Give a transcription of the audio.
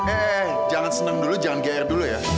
eh jangan seneng dulu jangan geer dulu ya